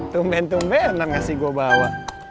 tumben tumbenan kasih gua bawa